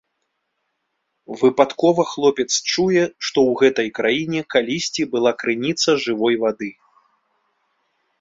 Выпадкова хлопец чуе, што ў гэтай краіне калісьці была крыніца жывой вады.